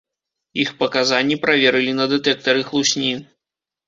Іх паказанні праверылі на дэтэктары хлусні.